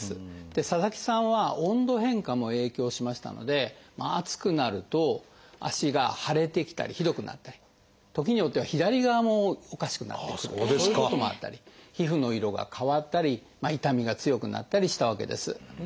佐々木さんは温度変化も影響しましたので暑くなると足が腫れてきたりひどくなったり時によっては左側もおかしくなってくるということもあったり皮膚の色が変わったり痛みが強くなったりしたわけです。